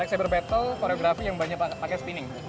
like sabre battle koreografi yang banyak pakai spinning